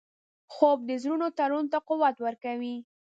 خوب د زړونو تړون ته قوت ورکوي